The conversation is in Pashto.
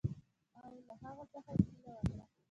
او له هغه څخه یې هیله وکړه.